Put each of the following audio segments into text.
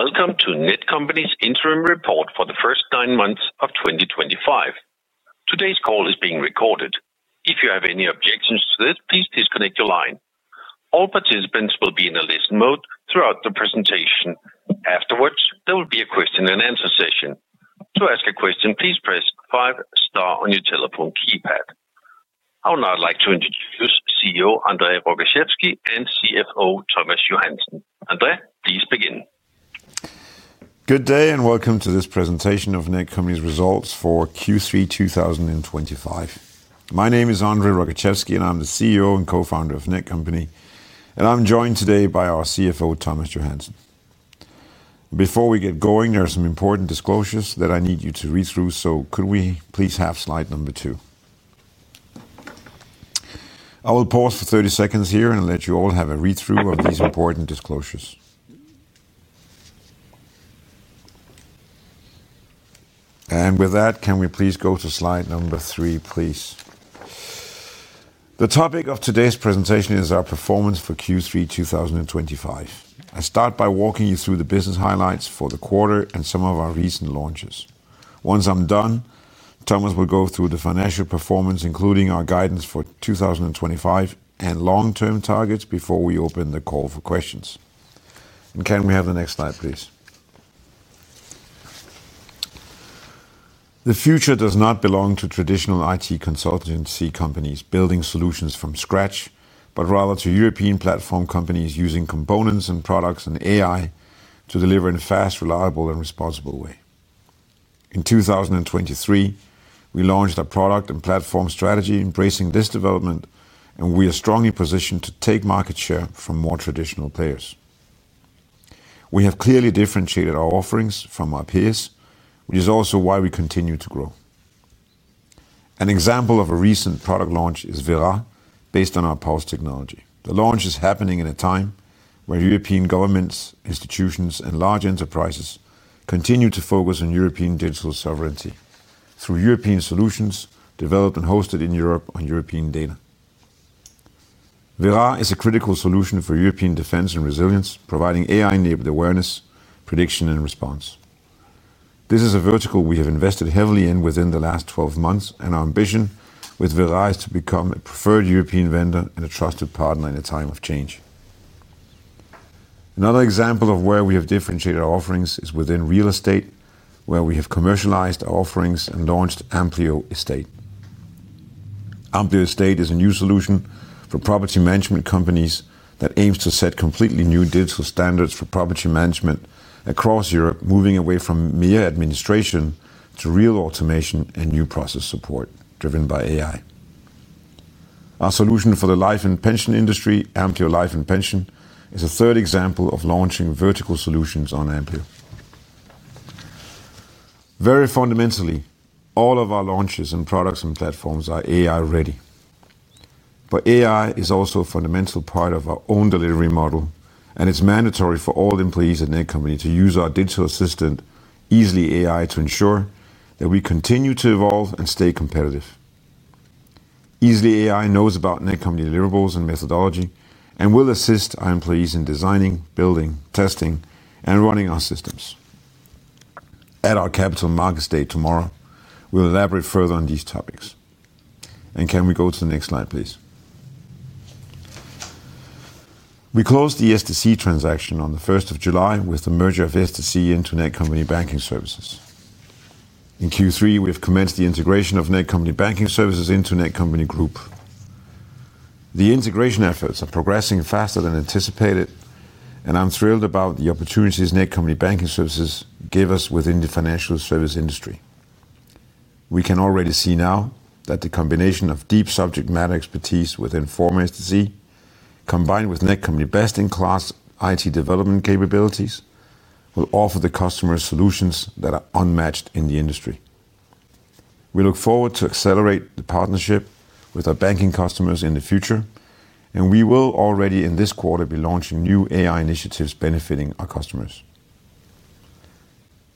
Welcome to Netcompany's interim report for the first nine months of 2025. Today's call is being recorded. If you have any objections to this, please disconnect your line. All participants will be in a listen mode throughout the presentation. Afterwards, there will be a question and answer session. To ask a question, please press five star on your telephone keypad. I would now like to introduce CEO André Rogaczewski and CFO Thomas Johansen. André, please begin. Good day and welcome to this presentation of Netcompany's results for Q3 2025. My name is André Rogaczewski and I'm the CEO and Co-Founder of Netcompany, and I'm joined today by our CFO, Thomas Johansen. Before we get going, there are some important disclosures that I need you to read through. Could we please have slide number two? I will pause for 30 seconds here and let you all have a read through of these important disclosures. With that, can we please go to slide number three? The topic of today's presentation is our performance for Q3 2025. I start by walking you through the business highlights for the quarter and some of our recent launches. Once I'm done, Thomas will go through the financial performance, including our guidance for 2025 and long-term targets. Before we open the call for questions, can we have the next slide please? The future does not belong to traditional IT consultancy companies building solutions from scratch, but rather to European platform companies using components and products and AI to deliver in a fast, reliable, and responsible way. In 2023, we launched our product and platform strategy embracing this development, and we are strongly positioned to take market share from more traditional players. We have clearly differentiated our offerings from our peers, which is also why we continue to grow. An example of a recent product launch is VERÁ, based on our PULSE platform. The launch is happening in a time where European governments, institutions, and large enterprises continue to focus on European digital sovereignty through European solutions developed and hosted in Europe on European data. VERÁ is a critical solution for European defense and resilience, providing AI-driven awareness, prediction, and response. This is a vertical we have invested heavily in within the last 12 months, and our ambition with VERÁ is to become a preferred European vendor and a trusted partner in a time of change. Another example of where we have differentiated our offerings is within real estate, where we have commercialized our offerings and launched AMPLIO Estate. AMPLIO Estate is a new solution for property management companies that aims to set completely new digital standards for property management across Europe. Moving away from mere administration to real automation and new process support driven by AI. Our solution for the life and pension industry, Ampere Life and Pension, is a third example of launching vertical solutions on Ampere. Very fundamentally, all of our launches and products and platforms are AI ready, but AI is also a fundamental part of our own delivery model, and it's mandatory for all employees at Netcompany to use our digital assistant, EASLEY AI, to ensure that we continue to evolve and stay competitive. EASLEY AI knows about Netcompany deliverables and methodology and will assist our employees in designing, building, testing, and running our systems. At our Capital Markets Day tomorrow, we'll elaborate further on these topics. Can we go to the next slide, please? We closed the SDC transaction on July 1 with the merger of SDC into Netcompany Banking Services. In Q3, we have commenced the integration of Netcompany Banking Services into Netcompany Group. The integration efforts are progressing faster than anticipated, and I'm thrilled about the opportunities Netcompany Banking Services give us within the financial services industry. We can already see now that the combination of deep subject matter expertise within the former agency, combined with Netcompany best-in-class IT development capabilities, will offer the customers solutions that are unmatched in the industry. We look forward to accelerating the partnership with our banking customers in the future, and we will already in this quarter be launching new AI initiatives benefiting our customers.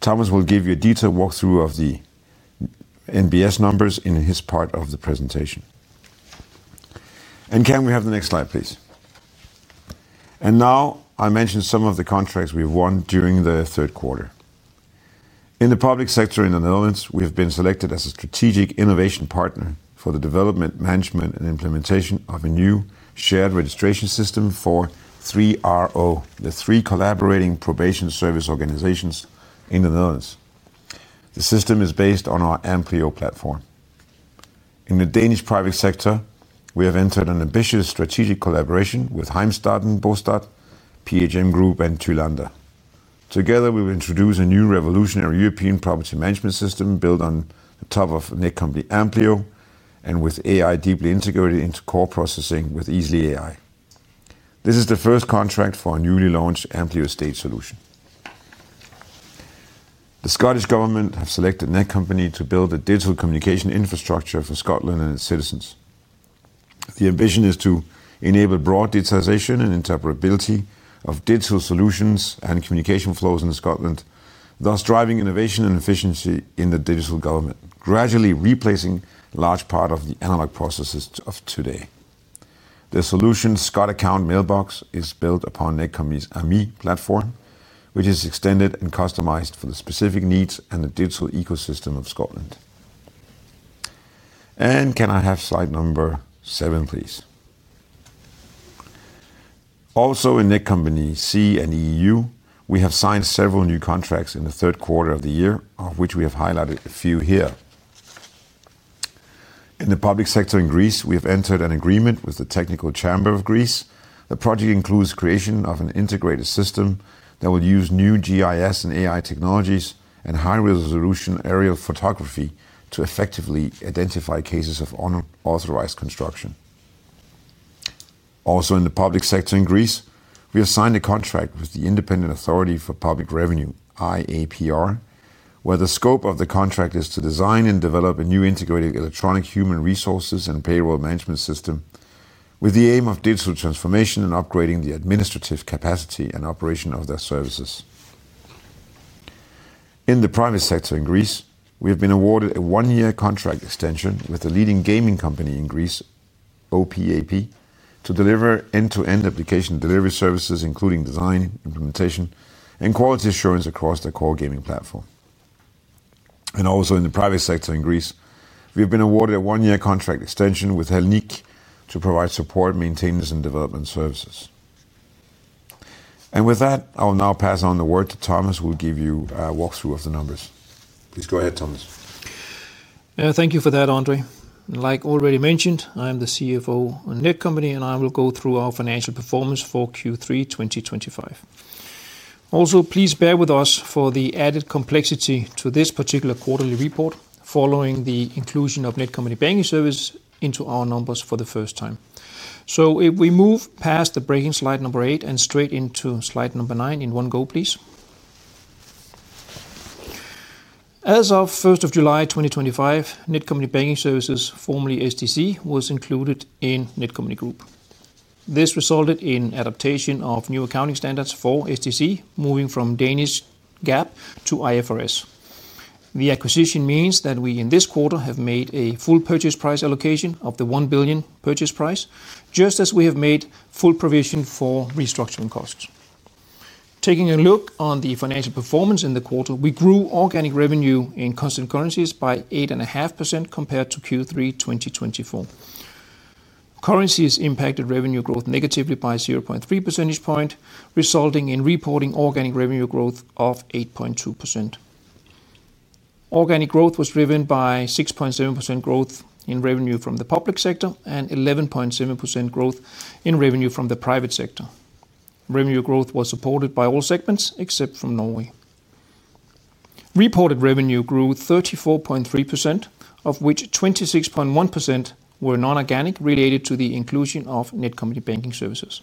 Thomas will give you a detailed walkthrough of the NBS numbers in his part of the presentation. Can we have the next slide, please? Now I mention some of the contracts we have won during the third quarter. In the public sector in the Netherlands, we have been selected as a Strategic Innovation Partner for the development, management, and implementation of a new shared registration system for 3RO, the three collaborating probation service organizations in the Netherlands. The system is based on our Amplio platform. In the Danish private sector, we have entered an ambitious strategic collaboration with Heimstaden, Bostad, PHM Group, and Thulander. Together, we will introduce a new revolutionary European property management system built on top of Netcompany AMPLIO and with AI deeply integrated into core processing with EASLEY AI. This is the first contract for a newly launched AMPLIO Estate solution. The Scottish government have selected Netcompany to build a digital communication infrastructure for Scotland and its citizens. The ambition is to enable broad digitization and interoperability of digital solutions and communication flows in Scotland, thus driving innovation and efficiency in the digital government, gradually replacing large part of the analog processes of today. The solution, Scott Account Mailbox, is built upon Netcompany's AMI platform, which is extended and customized for the specific needs and the digital ecosystem of Scotland. Can I have slide number 7 please? Also, in Netcompany CEU, we have signed several new contracts in the third quarter of the year, of which we have highlighted a few. Here in the public sector in Greece, we have entered an agreement with the Technical Chamber of Greece. The project includes creation of an integrated system that will use new GIS and AI technologies and high-resolution aerial photography to effectively identify cases of unauthorized construction. Also, in the public sector in Greece, we have signed a contract with the Independent Authority for Public Revenue, where the scope of the contract is to design and develop a new integrated electronic human resources and payroll management system with the aim of digital transformation and upgrading the administrative capacity and operation of their services. In the private sector in Greece, we have been awarded a one-year contract extension with the leading gaming company in Greece, OPAP, to deliver end-to-end application delivery services including design, implementation, and quality assurance across the core gaming platform. Also, in the private sector in Greece, we have been awarded a one-year contract extension with Hellenic to provide support, maintenance, and development services. With that, I will now pass on the word to Thomas, who will give you a walkthrough of the numbers. Please go ahead, Thomas. Thank you for that André. Like already mentioned, I am the CFO of Netcompany and I will go through our financial performance for Q3 2025. Also, please bear with us for the added complexity to this particular quarterly report following the inclusion of Netcompany Banking Services into our numbers for the first time. If we move past the breaking slide number 8 and straight into slide number 9 in one go, please. As of July 1, 2025, Netcompany Banking Services, formerly SDC, was included in Netcompany Group. This resulted in adaptation of new accounting standards for SDC, moving from Danish GAAP to IFRS. The acquisition means that we in this quarter have made a full purchase price allocation of the 1 billion purchase price, just as we have made full provision for restructuring costs. Taking a look on the financial performance in the quarter, we grew organic revenue in constant currencies by 8.5% compared to Q3 2024. Currencies impacted revenue growth negatively by 0.3 percentage point, resulting in reported organic revenue growth of 8.2%. Organic growth was driven by 6.7% growth in revenue from the public sector and 11.7% growth in revenue from the private sector. Revenue growth was supported by all segments except for Norway. Reported revenue grew 34.3% of which 26.1% were non-organic. Related to the inclusion of Netcompany Banking Services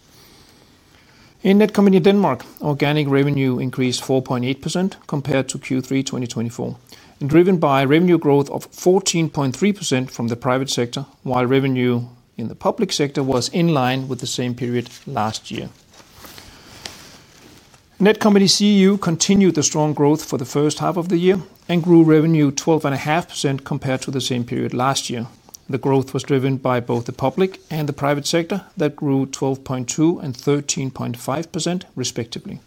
in Netcompany Denmark, organic revenue increased 4.8% compared to Q3 2024, driven by revenue growth of 14.3% from the private sector, while revenue in the public sector was in line with the same period last year. Netcompany CEU continued the strong growth for the first half of the year and grew revenue 12.5% compared to the same period last year. The growth was driven by both the public and the private sector that grew 12.2% and 13.5% respectively.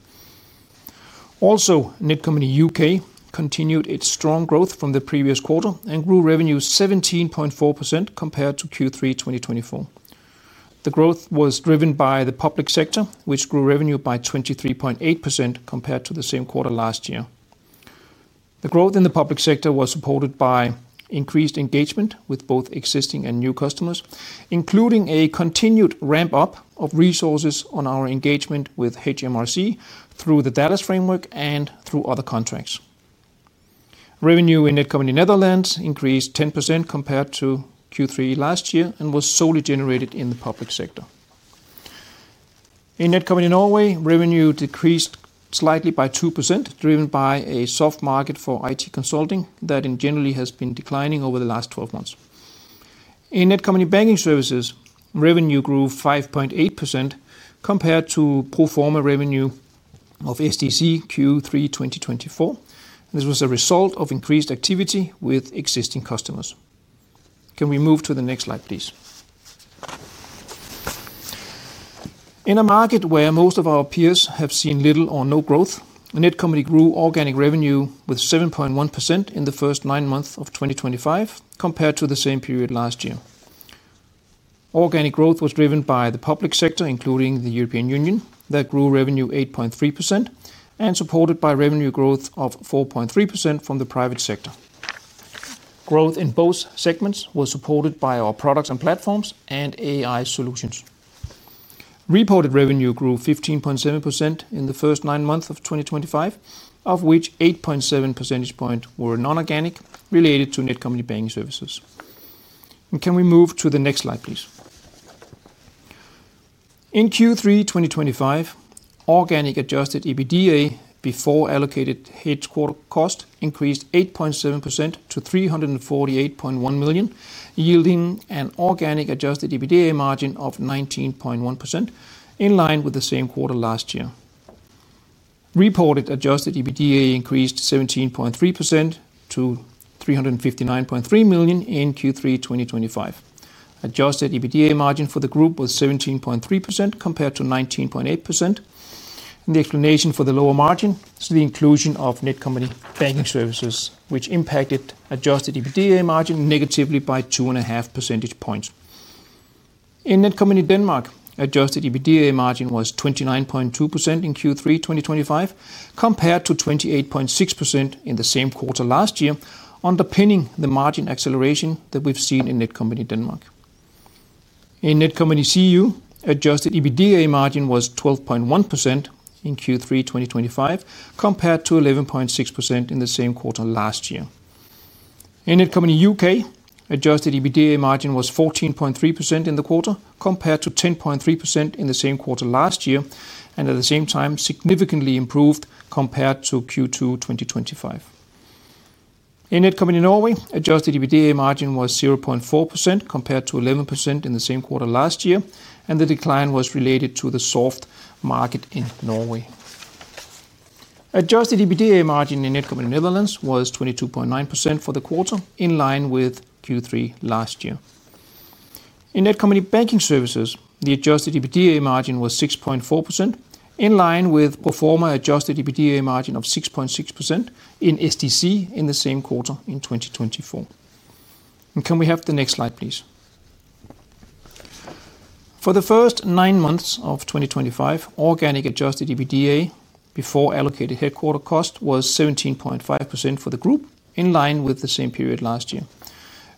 Also, Netcompany U.K. continued its strong growth from the previous quarter and grew revenue 17.4% compared to Q3 2024. The growth was driven by the public sector, which grew revenue by 23.8% compared to the same quarter last year. The growth in the public sector was supported by increased engagement with both existing and new customers, including a continued ramp up of resources on our engagement with HMRC through the Dallas Framework and through other contracts. Revenue in Netcompany Netherlands increased 10% compared to Q3 last year and was solely generated in the public sector. In Netcompany Norway, revenue decreased slightly by 2% driven by a soft market for IT consulting that generally has been declining over the last 12 months. In Netcompany Banking Services, revenue grew 5.8% compared to pro forma revenue of SDC Q3 2024. This was a result of increased activity with existing customers. Can we move to the next slide please? In a market where most of our peers have seen little or no growth, Netcompany grew organic revenue with 7.1% in the first nine months of 2025 compared to the same period last year. Organic growth was driven by the public sector, including the European Union, that grew revenue 8.3% and supported by revenue growth of 4.3% from the private sector. Growth in both segments was supported by our products and platforms and AI-driven solutions. Reported revenue grew 15.7% in the first nine months of 2025, of which 8.7 percentage points were non-organic related to Netcompany Banking Services. Can we move to the next slide please? In Q3 2025, organic adjusted EBITDA before allocated headquarter cost increased 8.7% to 348.1 million, yielding an organic adjusted EBITDA margin of 19% in line with the same quarter last year. Reported adjusted EBITDA increased 17.3% to 359.3 million. In Q3 2025, adjusted EBITDA margin for the group was 17.3% compared to 19.8%. The explanation for the lower margin is the inclusion of Netcompany Banking Services which impacted adjusted EBITDA margin negatively by 2.5 percentage points. In Netcompany in Denmark, adjusted EBITDA margin was 29.2% in Q3 2025 compared to 28.6% in the same quarter last year, underpinning the margin acceleration that we've seen in Netcompany Denmark. In Netcompany CEU, adjusted EBITDA margin was 12.1% in Q3 2025 compared to 11.6% in the same quarter last year. In Netcompany U.K., adjusted EBITDA margin was 14.3% in the quarter compared to 10.3% in the same quarter last year and at the same time significantly improved compared to Q2 2025. In Netcompany Norway, adjusted EBITDA margin was 0.4% compared to 11% in the same quarter last year and the decline was related to the soft market. In Netcompany Netherlands, adjusted EBITDA margin was 22.9% for the quarter in line with Q3 last year. In Netcompany Banking Services, the adjusted EBITDA margin was 6.4% in line with pro forma adjusted EBITDA margin of 6.6% in SDC in the same quarter in 2024. Can we have the next slide please? For the first nine months of 2025, organic adjusted EBITDA before allocated headquarter cost was 17.5% for the group in line with the same period last year.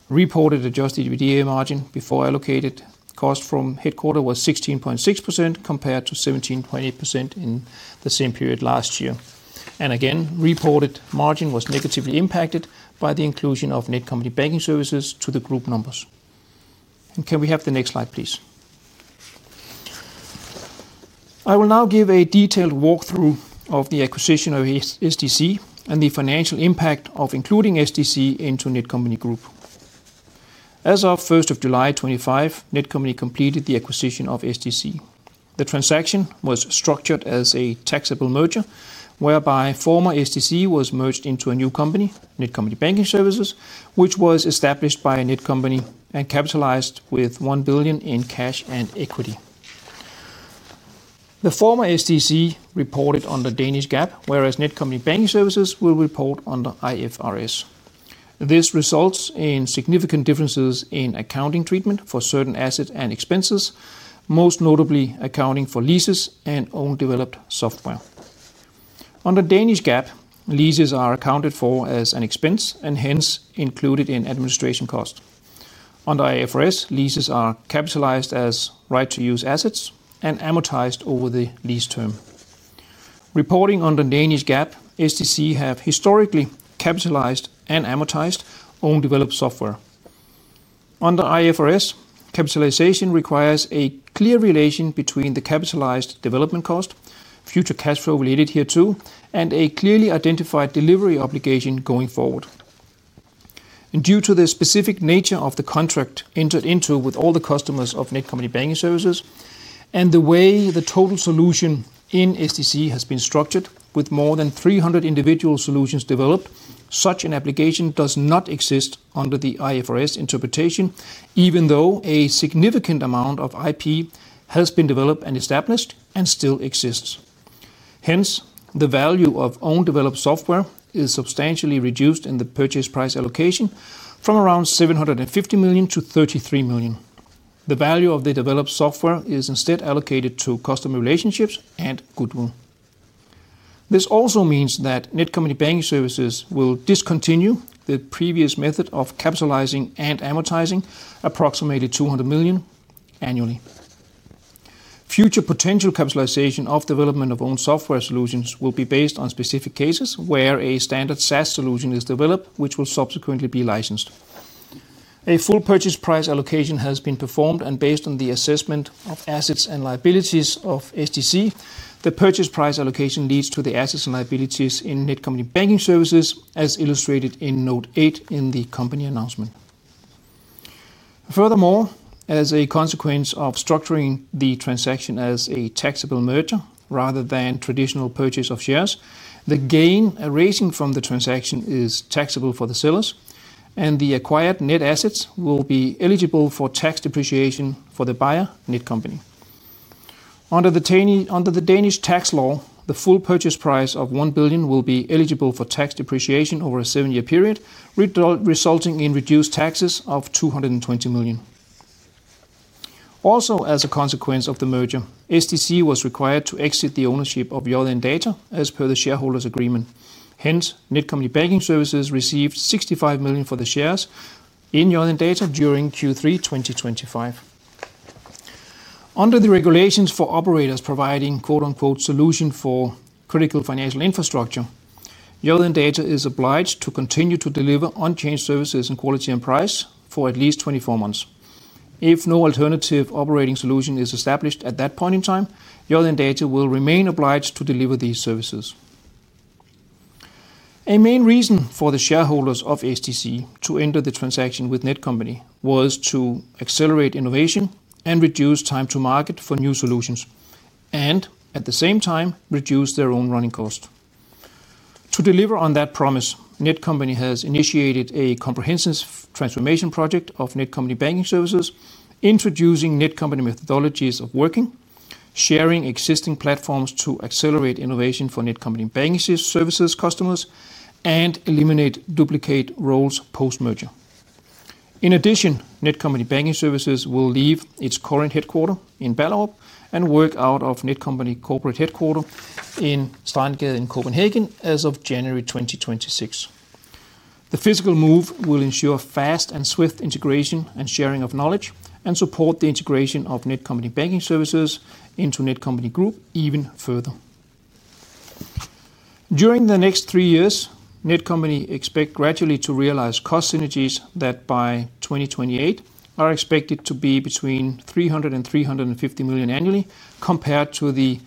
Reported adjusted EBITDA margin before allocated cost from headquarter was 16.6% compared to 17.8% in the same period last year, and again, reported margin was negatively impacted by the inclusion of Netcompany Banking Services to the group numbers. Can we have the next slide please? I will now give a detailed walkthrough of the acquisition of SDC and the financial impact of including SDC into Netcompany Group. As of July 1, 2025, Netcompany completed the acquisition of SDC. The transaction was structured as a taxable merger whereby former SDC was merged into a new company, Netcompany Banking Services, which was established by Netcompany and capitalized with 1 billion in cash and equity. The former SDC reported under Danish GAAP, whereas Netcompany Banking Services will report under IFRS. This results in significant differences in accounting treatment for certain assets and expenses, most notably accounting for leases and own developed software. Under Danish GAAP, leases are accounted for as an expense and hence included in administration cost. Under IFRS, leases are capitalized as right to use assets and amortized over the lease term. Reporting on the Danish GAAP, SDC have historically capitalized and amortized own developed software. Under IFRS, capitalization requires a clear relation between the capitalized development cost, future cash flow related hereto, and a clearly identified delivery obligation going forward. Due to the specific nature of the contract entered into with all the customers of Netcompany Banking Services and the way the total solution in SDC has been structured with more than 300 individual solutions developed, such an application does not exist under the IFRS interpretation even though a significant amount of IP has been developed and established and still exists. Hence, the value of own developed software is substantially reduced in the purchase price allocation from around 750 million to 33 million. The value of the developed software is instead allocated to customer relationships and goodwill. This also means that Netcompany Banking Services will discontinue the previous method of capitalizing and amortizing approximately 200 million annually. Future potential capitalization of development of own software solutions will be based on specific cases where a standard SaaS solution is developed which will subsequently be licensed. A full purchase price allocation has been performed, and based on the assessment of assets and liabilities of SDC. The purchase price allocation leads to the assets and liabilities in Netcompany Banking Services as illustrated in Note 8 in the company announcement. Furthermore, as a consequence of structuring the transaction as a taxable merger rather than traditional purchase of shares, the gain arising from the transaction is taxable for the sellers, and the acquired net assets will be eligible for tax depreciation for the buyer. Under the Danish tax law, the full purchase price of 1 billion will be eligible for tax depreciation over a 7-year period, resulting in reduced taxes of 220 million. Also, as a consequence of the merger, SDC was required to exit the ownership of Yodlee Data as per the shareholders agreement. Hence, Netcompany Banking Services received 65 million for the shares in Yodlee Data during Q3 2025. Under the regulations for operators providing solutions for critical financial infrastructure, Yodlee Data is obliged to continue to deliver on-chain services in quality and price for at least 24 months. If no alternative operating solution is established at that point in time, Yodlee Data will remain obliged to deliver these services. A main reason for the shareholders of SDC to enter the transaction with Netcompany was to accelerate innovation and reduce time to market for new solutions and at the same time reduce their own running cost. To deliver on that promise, Netcompany has initiated a comprehensive transformation project of Netcompany Banking Services, introducing Netcompany methodologies of working, sharing existing platforms to accelerate innovation for Netcompany Banking Services customers and eliminate duplicate roles post-merger. In addition, Netcompany Banking Services will leave its current headquarter in Ballerup and work out of Netcompany corporate headquarter in Stejlepladsen in Copenhagen as of January 2026. The fiscal move will ensure fast and swift integration and sharing of knowledge and support the integration of Netcompany Banking Services into Netcompany Group. Even during the next three years, Netcompany expects gradually to realize cost synergies that by 2028 are expected to be between 300 million and 350 million annually compared to the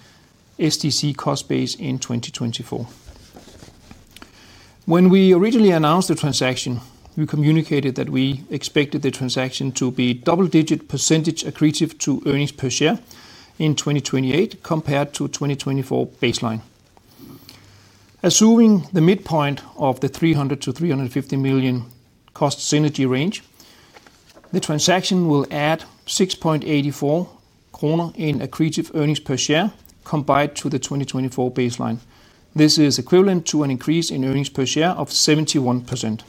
SDC cost base in 2024. When we originally announced the transaction, we communicated that we expected the transaction to be double-digit percentage accretive to earnings per share in 2028 compared to the 2024 baseline. Assuming the midpoint of the 300 million-350 million cost synergy range, the transaction will add 6.84 kroner in accretive earnings per share compared to the 2024 baseline. This is equivalent to an increase in earnings per share of 71%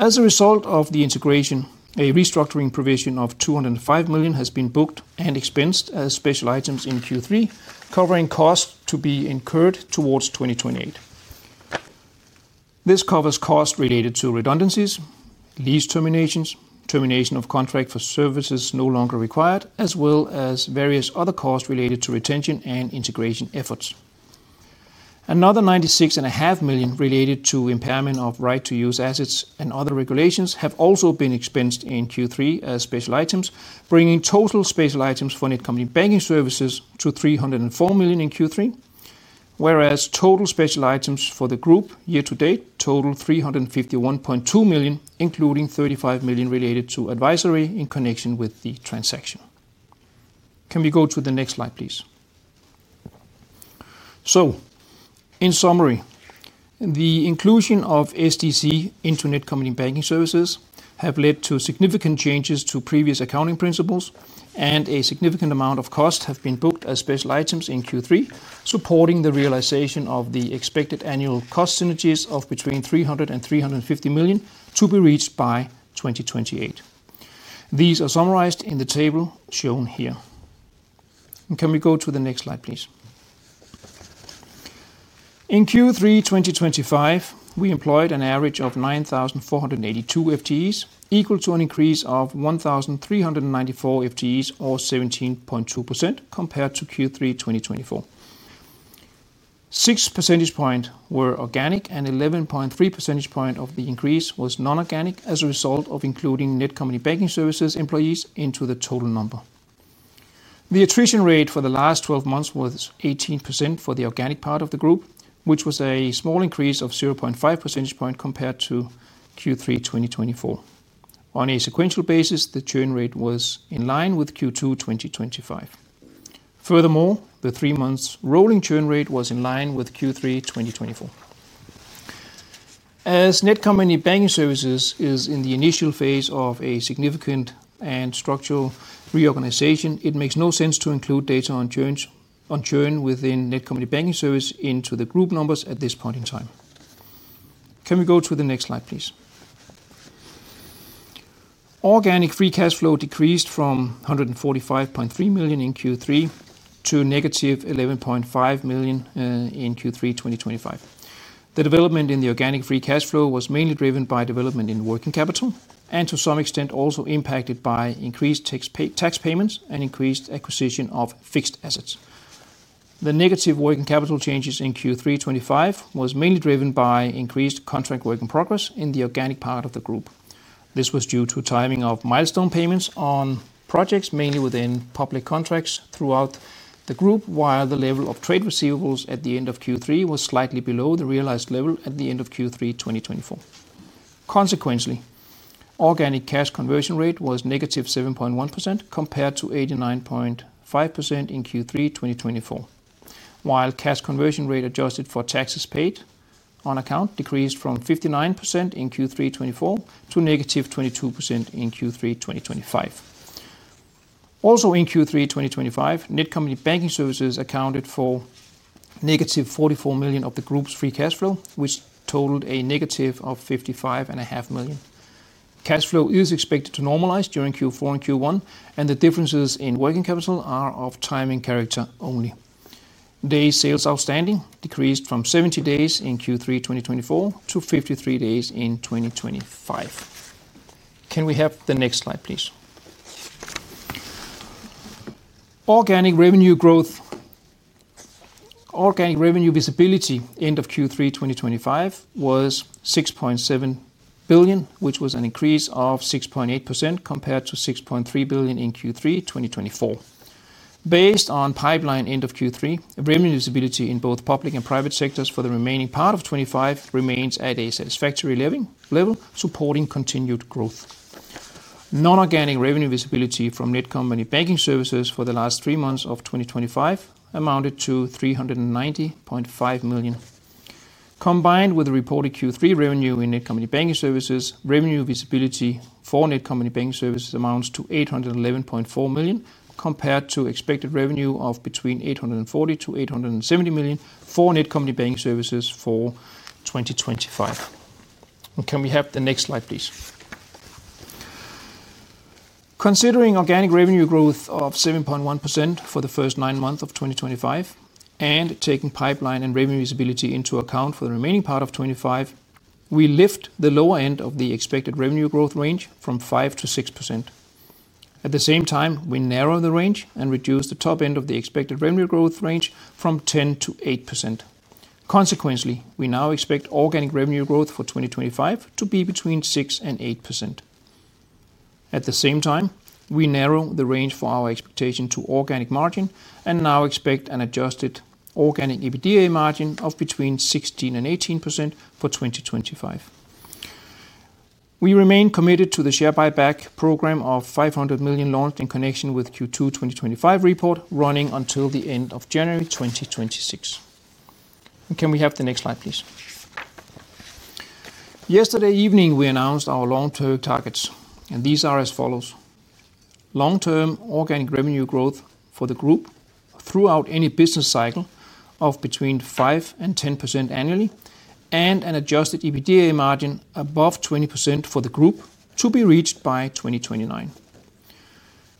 as a result of the integration. A restructuring provision of 205 million has been booked and expensed as special items in Q3, covering costs to be incurred towards 2028. This covers costs related to redundancies, lease terminations, termination of contract for services no longer required, as well as various other costs related to retention and integration efforts. Another 96.5 million related to impairment of right to use assets and other regulations have also been expensed in Q3 as special items, bringing total special items for Netcompany Banking Services to 304 million in Q3, whereas total special items for the group year to date total 351.2 million, including 35 million related to advisory in connection with the transaction. Can we go to the next slide please? In summary, the inclusion of SDC in Netcompany Banking Services has led to significant changes to previous accounting principles and a significant amount of costs have been booked as special items in Q3 supporting the realization of the expected annual cost synergies of between 300 million and 350 million to be reached by 2028. These are summarized in the table shown here. Can we go to the next slide please? In Q3 2025 we employed an average of 9,482 FTEs, equal to an increase of 1,394 FTEs, or 17.2% compared to Q3 2024. 6 percentage points were organic and 11.3 percentage points of the increase was non-organic. As a result of including Netcompany Banking Services employees into the total number, the attrition rate for the last 12 months was 18% for the organic part of the group, which was a small increase of 0.5 percentage point compared to Q3 2024. On a sequential basis, the churn rate was in line with Q2 2025. Furthermore, the 3 months rolling churn rate was in line with Q3 2024. As Netcompany Banking Services is in the initial phase of a significant and structural reorganization, it makes no sense to include data on churn within Netcompany Banking Services into the group numbers at this point in time. Can we go to the next slide please? Organic free cash flow decreased from 145.3 million in Q3 to -11.5 million in Q3 2025. The development in the organic free cash flow was mainly driven by development in working capital and to some extent also impacted by increased tax payments and increased acquisition of fixed assets. The negative working capital changes in Q3 2025 were mainly driven by increased contract work in progress in the organic part of the group. This was due to timing of milestone payments on projects mainly within public contracts throughout the group. While the level of trade receivables at the end of Q3 was slightly below the realized level at the end of Q3 2024. Consequently, organic cash conversion rate was -7.1% compared to 89.5% in Q3 2024, while cash conversion rate adjusted for taxes paid on account decreased from 59% in Q3 2024 to -22% in Q3 2025. Also in Q3 2025, Netcompany Banking Services accounted for -44 million of the group's free cash flow, which totaled a -55.5 million. Cash flow is expected to normalize during Q4 and Q1 and the differences in working capital are of timing character only. Days sales outstanding decreased from 70 days in Q3 2024 to 53 days in 2025. Can we have the next slide please? Organic Revenue Growth Organic revenue visibility end of Q3 2025 was 6.7 billion, which was an increase of 6.8% compared to 6.3 billion in Q3 2024 based on pipeline. End of Q3 revenue visibility in both public and private sectors for the remaining part of 2025 remains at a satisfactory level supporting continued growth. Non-organic revenue visibility from Netcompany Banking Services for the last three months of 2025 amounted to 390.5 million. Combined with the reported Q3 revenue in Netcompany Banking Services, revenue visibility for Netcompany Banking Services amounts to 811.4 million compared to expected revenue of between 840 million-870 million for Netcompany Banking Services for 2025. Can we have the next slide please? Considering organic revenue growth of 7.1% for the first nine months of 2025 and taking pipeline and revenue visibility into account for the remaining part of 2025, we lift the lower end of the expected revenue growth range from 5%-6%. At the same time, we narrow the range and reduce the top end of the expected revenue growth range from 10%-8%. Consequently, we now expect organic revenue growth for 2025 to be between 6% and 8%. At the same time, we narrow the range for our expectation to organic margin and now expect an adjusted organic EBITDA margin of between 16% and 18% for 2025. We remain committed to the share buyback program of 500 million launched in connection with Q2 2025 report running until the end of January 2026. Can we have the next slide, please? Yesterday evening, we announced our long-term targets and these are as long-term organic revenue growth for the Group throughout any business cycle of between 5% and 10% annually and an adjusted EBITDA margin above 20% for the Group to be reached by 2029.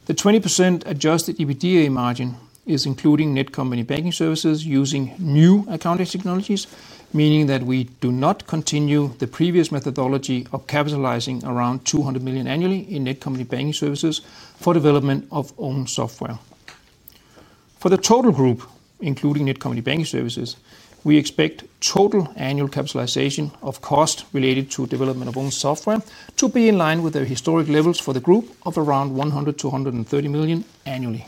The 20% adjusted EBITDA margin is including Netcompany Banking Services using new accounting technologies, meaning that we do not continue the previous methodology of capitalizing around 200 million annually in Netcompany Banking Services for development of own software for the total Group including Netcompany Banking Services. We expect total annual capitalization of cost related to development of own software to be in line with the historic levels for the Group of around 100-230 million annually.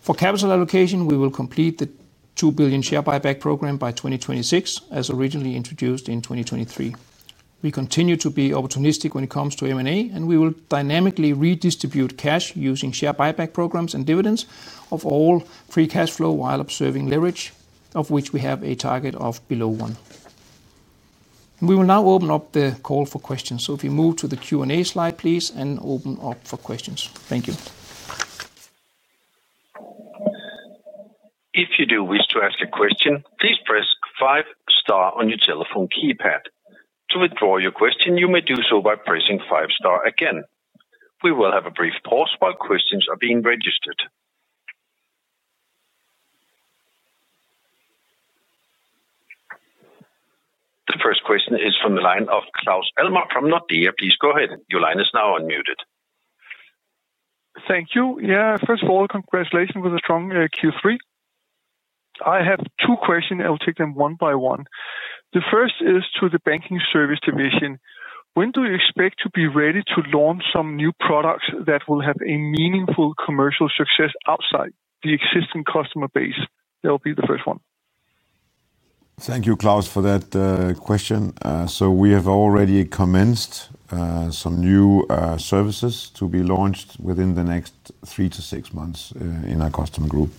For capital allocation, we will complete the 2 billion share buyback program by 2026 as originally introduced in 2023. We continue to be opportunistic when it comes to M&A. We will dynamically redistribute cash using share buyback programs and dividends of all free cash flow, while observing leverage, of which we have a target of below 1. We will now open up the call for questions. If you move to the Q&A slide, please, and open up for questions. Thank you. If you do wish to ask a question, please press five star on your telephone keypad. To withdraw your question, you may do so by pressing five star again. We will have a brief pause while questions are being registered. The first question is from the line of Claus Almer from Nordea. Please go ahead. Your line is now unmuted. Thank you. First of all, congratulations with a strong Q3. I have two questions. I will take them one by one. The first is to the Banking Services division. When do you expect to be ready to launch some new products that will have a meaningful commercial success outside the existing customer base? That will be the first one. Thank you, Claus, for that question. We have already commenced some new services to be launched within the next three to six months in our customer group.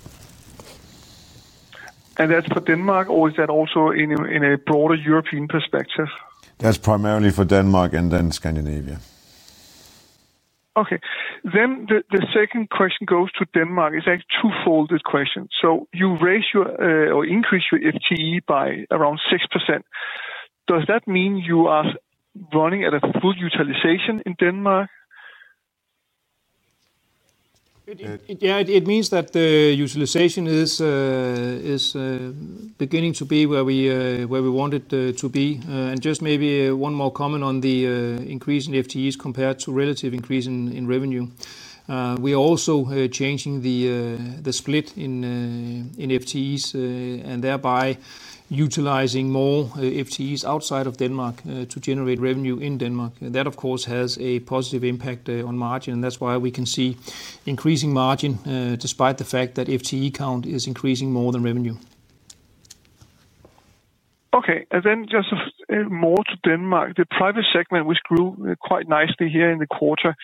Is that for Denmark, or is that also in a broader European perspective? That's primarily for Denmark and then Scandinavia. Okay, the second question goes to Denmark. It's a twofold question. You raise your or increase your FTE by around 6%. Does that mean you are running at a full utilization in Denmark? It means that the utilization is beginning to be where we want it to be. Maybe one more comment on the increase in FTEs compared to relative increase in revenue. We are also changing the split in FTEs and thereby utilizing more FTEs outside of Denmark to generate revenue in Denmark. That of course has a positive impact on margin, and that's why we can see increasing margin despite the fact that FTE count is increasing more than revenue. Okay. Moving to Denmark, the private segment grew quite nicely here in the quarter.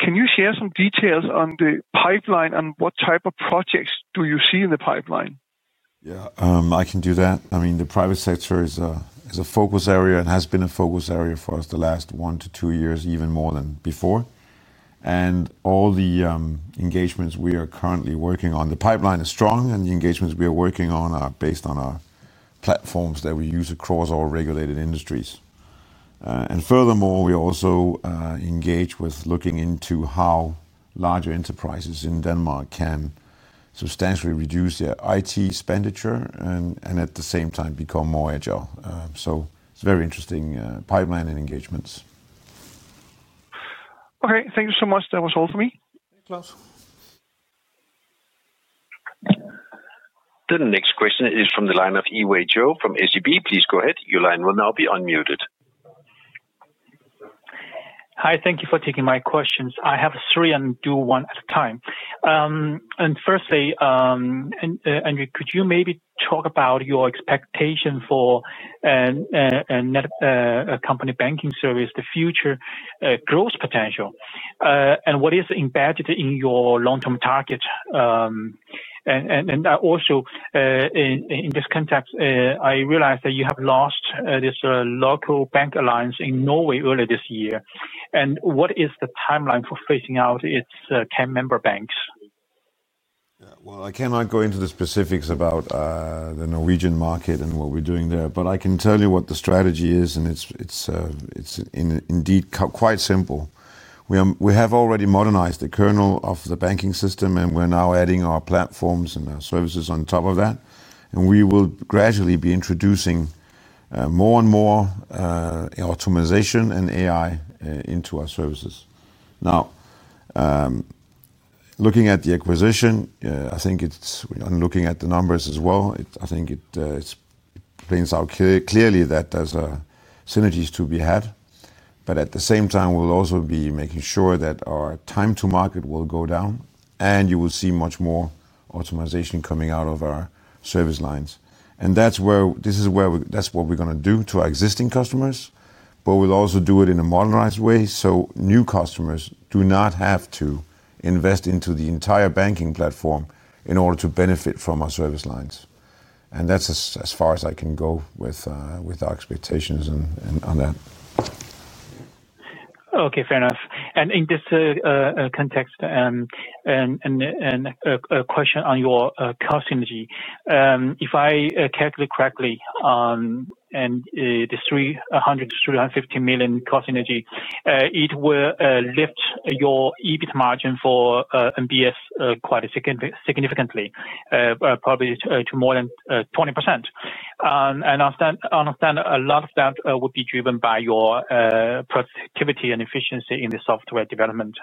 Can you share some details on the pipeline and what type of projects do you see in the pipeline? I can do that. The private sector is a focus area and has been a focus area for us the last one to two years, even more than before. All the engagements we are currently working on, the pipeline is strong and the engagements we are working on are based on our platforms that we use across our regulated industries. Furthermore, we also engage with looking into how larger enterprises in Denmark can substantially reduce their IT expenditure and at the same time become more agile. It's very interesting. Pipeline and engagements. Okay. Thank you so much. That was all for me. The next question is from the line of Yiwei Zhou from SEB. Please go ahead. Your line will now be unmuted. Hi, thank you for taking my questions. I have three and I'll do one at a time. Firstly, André, could you maybe talk about your expectation for Netcompany Banking Services, the future growth potential, and what is embedded in your long term target? Also, in this context, I realized that you have lost this local bank alliance in Norway earlier this year. What is the timeline for phasing out its 10 member banks? I cannot go into the specifics about the Norwegian market and what we're doing there, but I can tell you what the strategy is. It's indeed quite simple. We have already modernized the kernel of the banking system, and we're now adding our platforms and our services on top of that. We will gradually be introducing more and more automation and AI into our services. Now, looking at the acquisition, I think it's looking at the numbers as well. I think it brings out clearly that there's synergies to be had. At the same time, we'll also be making sure that our time to market will go down, and you will see much more optimization coming out of our service lines. That's what we're going to do to our existing customers, but we'll also do it in a modernized way so new customers do not have to invest into the entire banking platform in order to benefit from our service lines. That's as far as I can go with our expectations on that. Okay, fair enough. In this context, a question on your cost synergy: if I calculate correctly, the 300 million-350 million cost synergy will lift your EBIT margin for NBS quite significantly, probably to more than 20%. I understand a lot of that would be driven by your productivity and efficiency in the software development.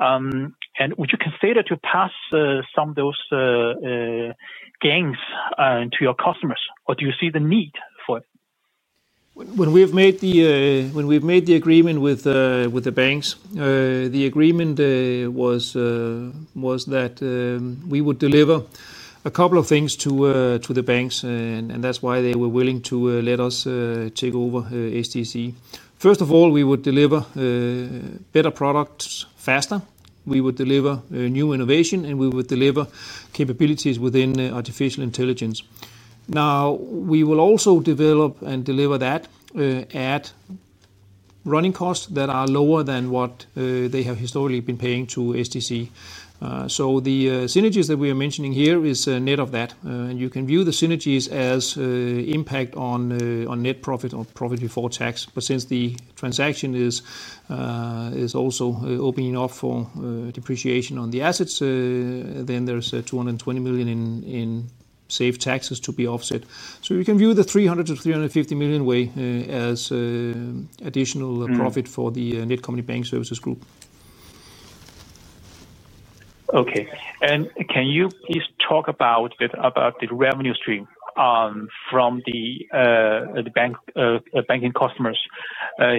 Would you consider passing some of those gains to your customers, or do you see the need for it? When we've made the agreement with the banks, the agreement was that we would deliver a couple of things to the banks and that's why they were willing to let us take over SDC. First of all, we would deliver better products faster, we would deliver new innovation, and we would deliver capabilities within artificial intelligence. Now we will also develop and deliver that at running costs that are lower than what they have historically been paying to SDC. The synergies that we are mentioning here is net of that, and you can view the synergies as impact on net profit or profit before tax. Since the transaction is also opening up for depreciation on the assets, there's 220 million in saved taxes to be offset. You can view the 300 million-350 million as additional profit for the Netcompany Banking Services Group. Okay. Can you please talk about the revenue stream from the banking customers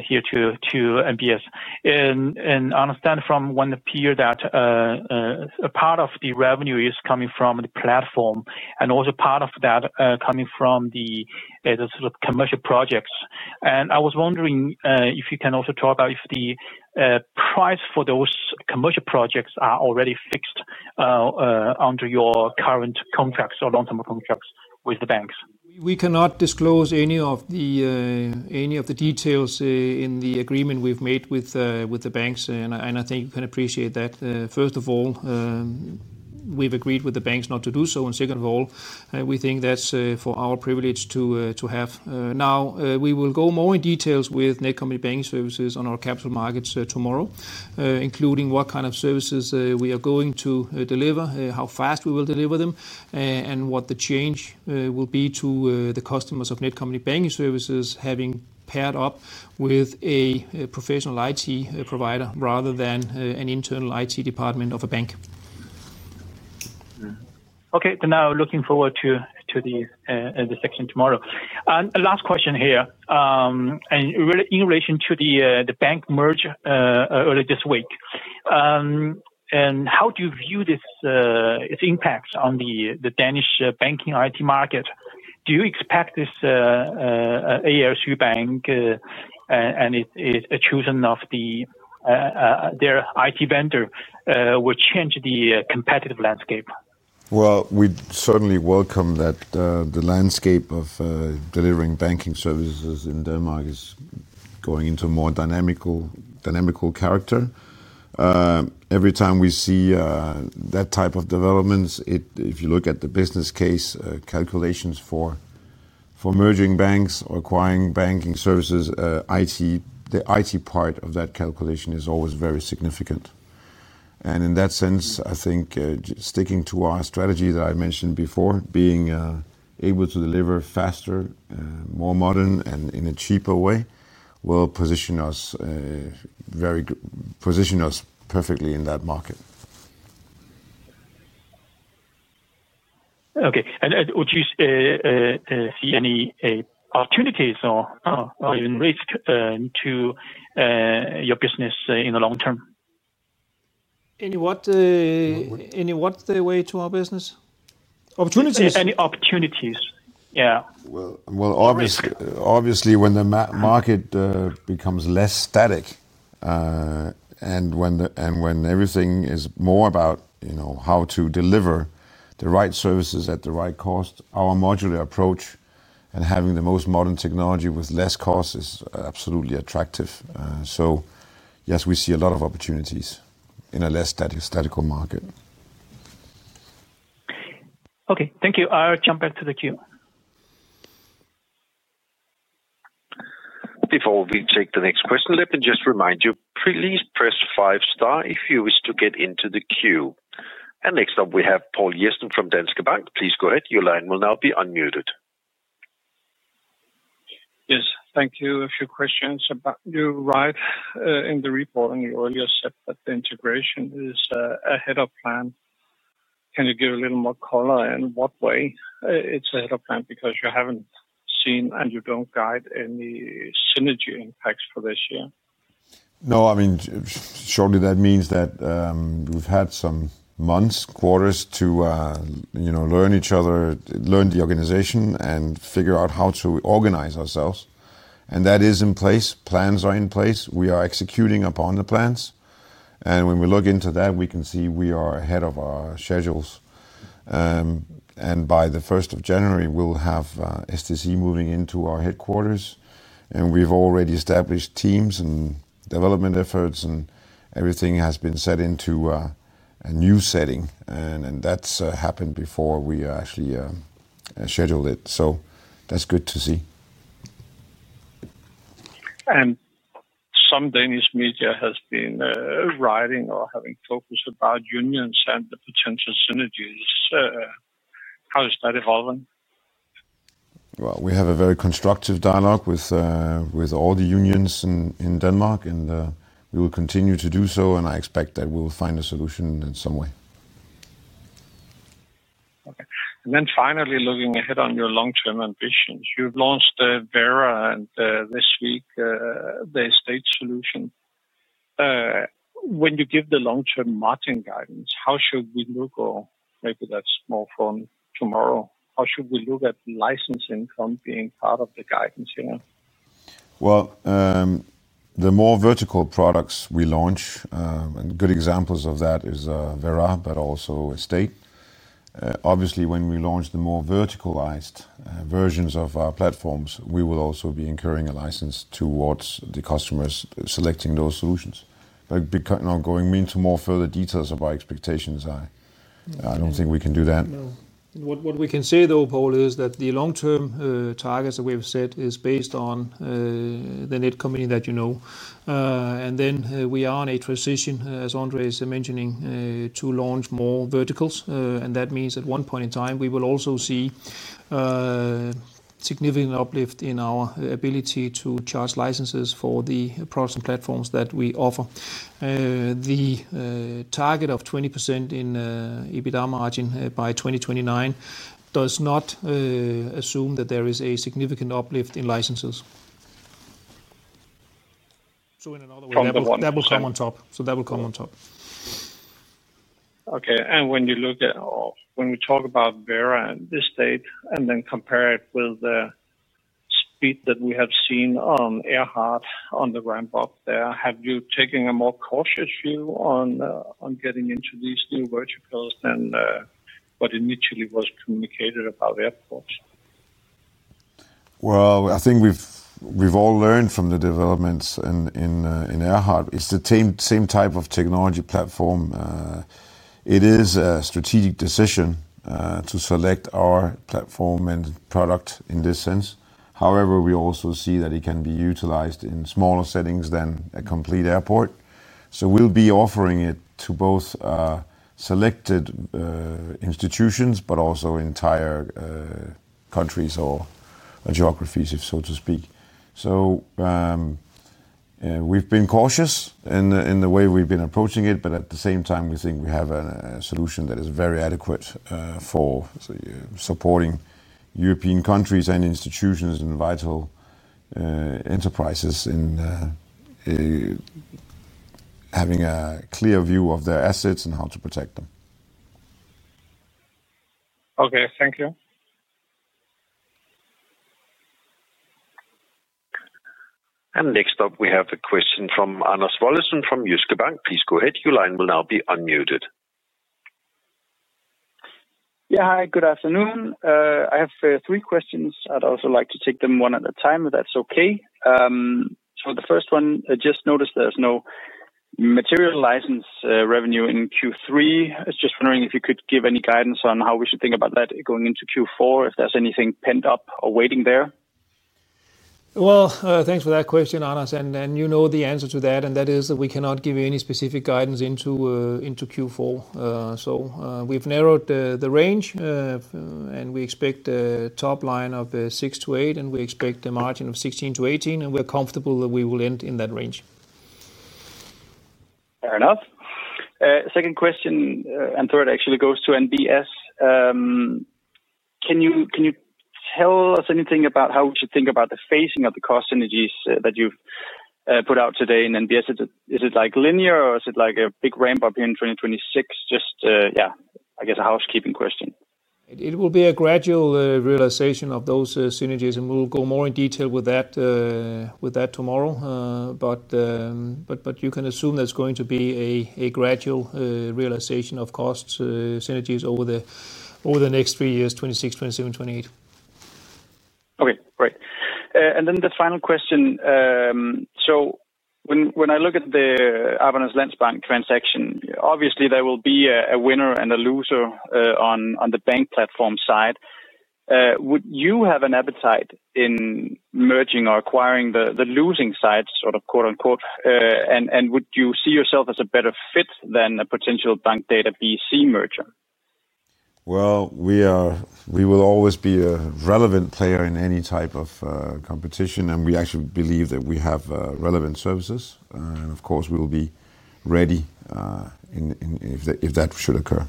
here to NBS and understand from one peer that a part of the revenue is coming from the platform and also part of that coming from the commercial projects? I was wondering if you can also talk about if the price for those commercial projects is already fixed under your current contracts or long-term contracts with the banks. We cannot disclose any of the details in the agreement we've made with the banks, and I think you can appreciate that. First of all, we've agreed with the banks not to do so. Second of all, we think that's for our privilege to have. Now we will go more in details with Netcompany Banking Services on our capital markets tomorrow, including what kind of services we are going to deliver, how fast we will deliver them, and what the change will be to the customers of Netcompany Banking Services having paired up with a professional IT provider rather than an internal IT department of a bank. Okay, now looking forward to the section tomorrow. Last question here in relation to the bank merge earlier this week, how do you view this, its impacts on the Danish banking IT market? Do you expect this ASU Bank and choosing their IT vendor will change the competitive landscape? We certainly welcome that the landscape of delivering banking services in Denmark is going into a more dynamical character every time we see that type of developments. If you look at the business case calculations for merging banks or acquiring banking services, the IT part of that calculation is always very significant. In that sense, I think sticking to our strategy that I mentioned before, being able to deliver faster, more modern and in a cheaper way will position us perfectly in that market. Would you see any opportunities or even risk to your business in the long term? Any what? Their way to our business opportunities. Any opportunities? Yeah. Obviously, when the market becomes less static and when everything is more about how to deliver the right services at the right cost, our modular approach and having the most modern technology with less cost is absolutely attractive. Yes, we see a lot of opportunities in a less static market. Okay, thank you. I'll jump back to the queue. Before we take the next question, let me just remind you, please press five star if you wish to get into the queue. Next up we have Paul Herbison from Danske Bank. Please go ahead. Your line will now be unmuted. Yes, thank you. A few questions about you. Right in the report and you said that the integration is ahead of plan. Can you give a little more color? In what way it's ahead of time because you haven't seen and you don't guide any synergy impacts for this year. No, I mean, surely that means that we've had some months, quarters to, you know, learn each other, learn the organization, and figure out how to organize ourselves, and that is in place. Plans are in place. We are executing upon the plans, and when we look into that, we can see we are ahead of our schedules. By the 1st of January, we'll have SDC moving into our headquarters. We've already established teams and development efforts, and everything has been set into a new setting. That's happened before we actually scheduled it. That's good to see. Some Danish media has been writing or having focused about unions and the potential synergies. How is that evolving? We have a very constructive dialogue with all the unions in Denmark, and we will continue to do so. I expect that we will find a solution in some way. Finally, looking ahead on your long term ambitions, you've launched VERÁ and this week the Estate solution. When you give the long term margin guidance, how should we look? Maybe that's more for tomorrow. How should we look at license income being part of the guidance here? The more vertical products we launch, and good examples of that are VERÁ, but also Estate, obviously when we launch the more verticalized versions of our platforms, we will also be incurring a license towards the customers selecting those solutions. Going into more further details of our expectations, I don't think we can do that. What we can say though, Paul, is that the long-term targets that we have set is based on the Netcompany that you know. We are in a transition, as André is mentioning, to launch more verticals. That means at one point in time we will also see significant uplift in our ability to charge licenses for the products and platforms that we offer. The target of 20% in EBITDA margin by 2029 does not assume that there is a significant uplift in licenses. In another way, that will come on top. That will come on top. When you look at, when we talk about VERÁ and this state and then compare it with the speed that we have seen on AIRHART on the ramp up there, have you taken a more cautious view on getting into these new verticals than what initially was communicated about airports? I think we've all learned from the developments in AIRHART. It's the same type of technology platform. It is a strategic decision to select our platform and product in this sense. However, we also see that it can be utilized in smaller settings than a complete airport. We'll be offering it to both select institutions, but also entire countries or geographies, so to speak. We've been cautious in the way we've been approaching it, but at the same time, we think we have a solution that is very adequate for supporting European countries and institutions and vital enterprises in having a clear view of their assets and how to protect them. Okay, thank you. Next up, we have a question from Anders Vollesen from Jyske Bank. Please go ahead. Your line will now be unmuted. Yeah, hi, good afternoon. I have three questions. I'd also like to take them one at a time, if that's okay. The first one, I just noticed there's no material license revenue in Q3. I was just wondering if you could give any guidance on how we should think about that going into Q4, if there's anything pent up or waiting there. Thank you for that question, Anders. You know the answer to that, and that is that we cannot give you any specific guidance into Q4. We've narrowed the range and we expect a top line of 6 million-8 million, and we expect a margin of 16%-18%. We're comfortable that we will end in that range. Fair enough. Second question, and third actually goes to NBS. Can you tell us anything about how we should think about the phasing of the cost synergies that you've put out today in NBS? Is it like linear or is it like a big ramp up here in 2026? I guess a housekeeping question. It will be a gradual realization of those synergies and we'll go more in detail with that tomorrow. You can assume there's going to be a gradual realization of cost synergies over the next three years: 2026, 2027, 2028. Okay, great. The final question. When I look at the Arbejdernes Landsbank transaction, obviously there will be a winner and a loser on the bank platform side. Would you have an appetite in merging or acquiring the losing sides, sort of quote unquote? Would you see yourself as a better fit than a potential BankData BC merger? We will always be a relevant player in any type of competition, and we actually believe that we have relevant services, and of course we will be ready if that should occur.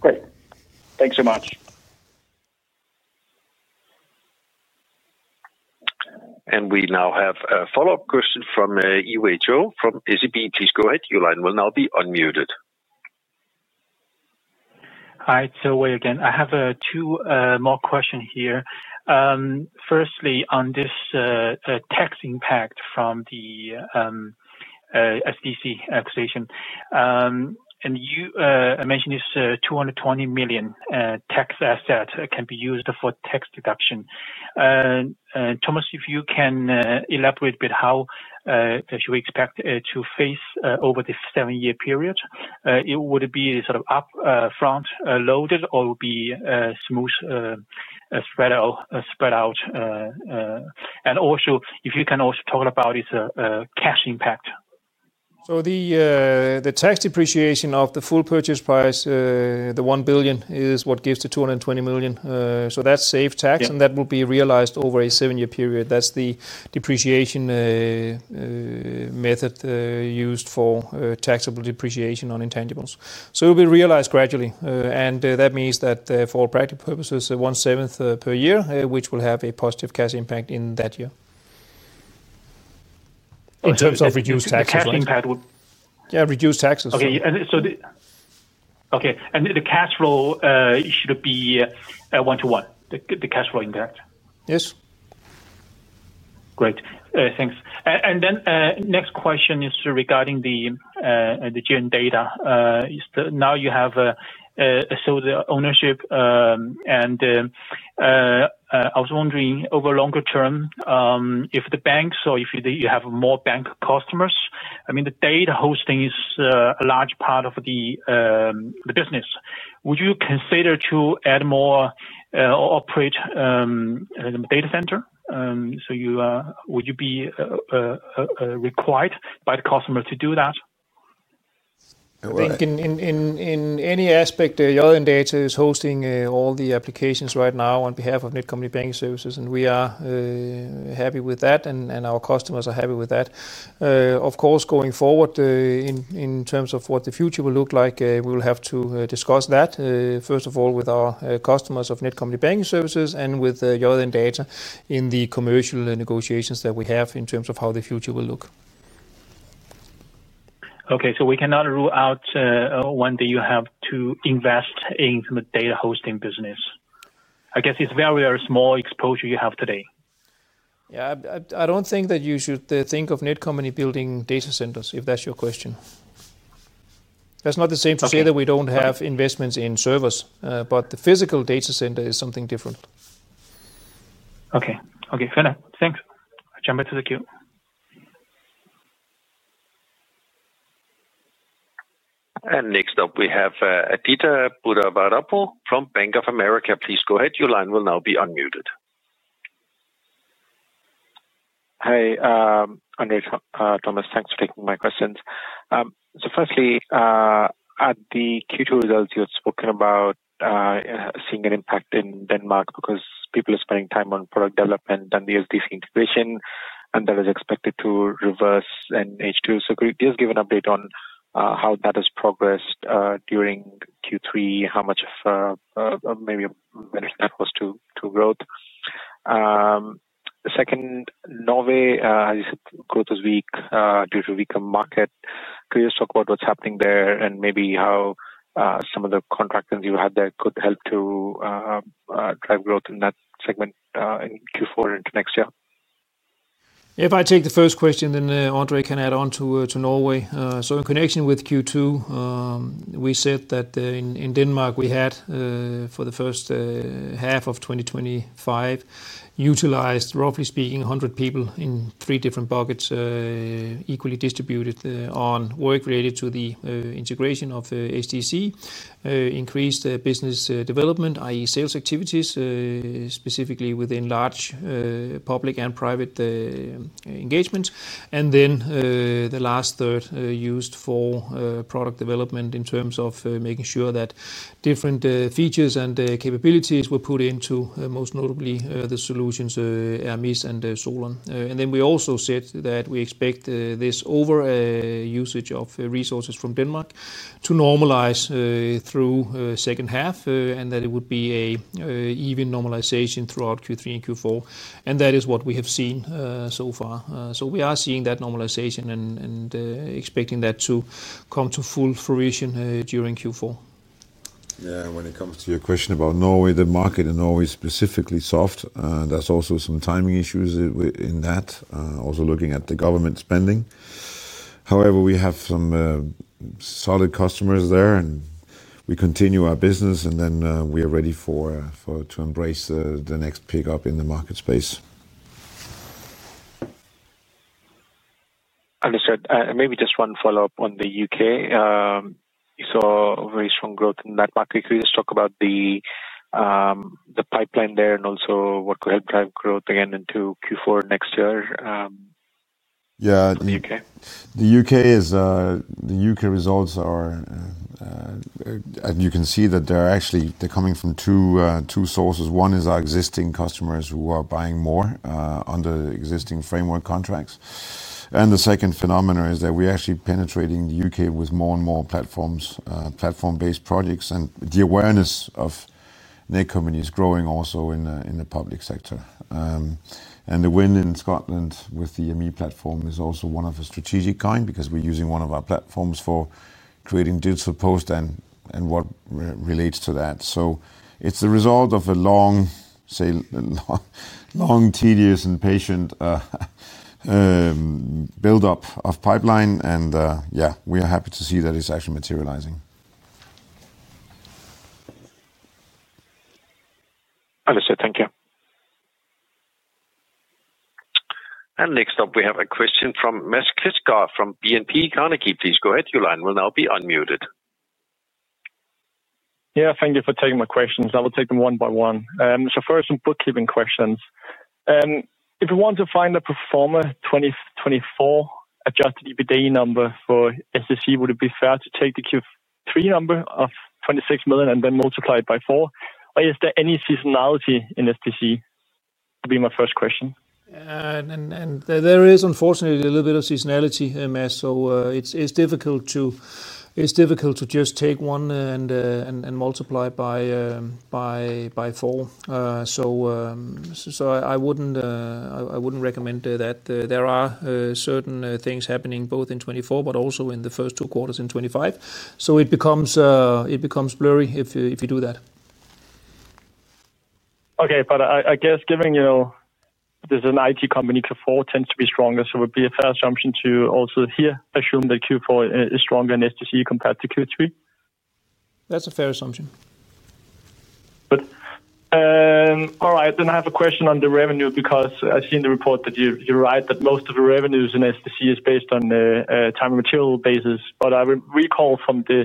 Great, thanks so much. We now have a follow-up question from Yiwei Zhou from SEB. Please go ahead. Your line will now be unmuted. Hi, so Wei again. I have two more questions here. Firstly, on this tax impact from the SDC taxation, and you mentioned this 220 million tax assets can be used for tax deduction. Thomas, if you can elaborate with how you expect to phase over the seven-year period, would it be sort of upfront loaded or would it be smoothly spread out? Also, if you can talk about if there is a cash impact. The tax depreciation of the full purchase price, the 1 billion, is what gives the 220 million. That's safe tax and that will be realized over a seven-year period. That's the depreciation method used for taxable depreciation on intangibles. It will be realized gradually and that means that for all practical purposes, DKK 1/7 per year, which will have a positive cash influence impact in that year in terms of reduced taxes. Cash impact, yeah, reduced taxes. Okay. The cash flow should be one to one. The cash flow impact. Yes. Great, thanks. The next question is regarding the JN Data. Now you have sold the ownership, and I was wondering over the longer term if the banks, if you have more bank customers, I mean the data hosting is a large part of the business. Would you consider to add more or operate data center? Would you be required by the customer to do that? In any aspect? JN Data is hosting all the applications right now on behalf of Netcompany Banking Services and we are happy with that and our customers are happy with that. Of course, going forward in terms of what the future will look like, we will have to discuss that first of all with our customers of Netcompany Banking Services and with JN Data in the commercial negotiations that we have in terms of how the future will look. Okay. We cannot rule out one day you have to invest in the data hosting business. I guess it's very small exposure you have today. Yeah, I don't think that you should think of Netcompany building data centers if that's your question. That's not the same to say that we don't have investments in servers, but the physical data center is something different. Okay, okay, thanks. Jump into the queue. Next up we have Aditya Buddhavarapu from Bank of America. Please go ahead. Your line will now be unmuted. Hey André, Thomas, thanks for taking my questions. Firstly, at the Q2 results you had spoken about seeing an impact in Denmark because people are spending time on product development and the SDC integration, and that is expected to reverse in H2. Could you just give an update on how that has progressed during Q3? How much of that was to growth? The second, Norway growth was weak due to weaker market. Could you talk about what's happening there and maybe how some of the contractors you had there could help to drive growth in that segment in Q4 into next year? If I take the first question, then André can add on to Norway. In connection with Q2 we said that in Denmark we had for the first half of 2025 utilized, roughly speaking, 100 people in three different pockets, equally distributed on work related to the integration of SDC, increased business development, i.e., sales activities, specifically within large public and private engagements. The last third was used for product development in terms of making sure that different features and capabilities were put into, most notably, the solutions AMI and SOLON. We also said that we expect this over usage of resources from Denmark to normalize through the second half and that it would be an even normalization throughout Q3 and Q4. That is what we have seen so far. We are seeing that normalization and expecting that to come to full fruition during Q4. Yeah. When it comes to your question about Norway, the market in Norway is specifically soft. There's also some timing issues in that, also looking at the government spending. However, we have some solid customers there and we continue our business, and we are ready to embrace the next pick up in the market space. Understood. Maybe just one follow-up on the U.K. You saw very strong growth in that market. Could you just talk about the pipeline there, and also what could help drive growth again into Q4 next year? Yeah, the U.K. results are. You can see that they're actually coming from two sources. One is our existing customers who are buying more under existing framework contracts. The second phenomena is that we are actually penetrating the U.K. with more and more platform-based projects, and the awareness of the company is growing also in the public sector. The win in Scotland with the EME platform is also one of the strategic Bitcoin because we're using one of our platforms for creating digital post and what relates to that. It's the result of a long, tedious, and patient buildup of pipeline, and yeah, we are happy to see that it's actually materializing. Thank you. Next up we have a question from Mads Kristensen from DNB Carnegie. Please go ahead. Your line will now be unmuted. Thank you for taking my questions. I will take them one by one. First, some bookkeeping questions. If you want to find a pro forma 2024 adjusted EBITDA number for SDC, would it be fair to take the Q3 number of 26 million and then multiply it by 4, or is there any seasonality in SDC? That would be my first question. There is unfortunately a little bit of seasonality mess, so it's difficult to just take one and multiply by four. I wouldn't recommend that. There are certain things happening both in 2024 but also in the first two quarters in 2024, so it becomes blurry if you do that. Okay. I guess given, you know there's an IT company, Q4 tends to be stronger. It would be a fair assumption to also here assume that Q4 is stronger in SDC compared to Q3. That's a fair assumption. All right, then I have a question on the revenue because I see in the report that you write that most of the revenues in SDC is based on time and material basis. I recall from the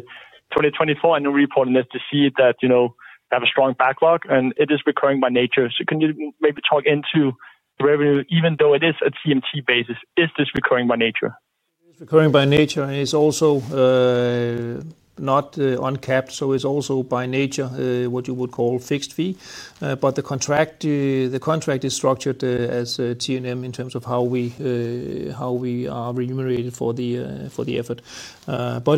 2024 Annual Report in SDC that you know, have a strong backlog and it is recurring by nature. Can you maybe talk into revenue even though it is a TMT basis? Is this recurring by nature? It's recurring by nature, and it's also not uncapped. It's also by nature what you would call fixed fee. The contract is structured as TNM in terms of how we are remunerated for the effort.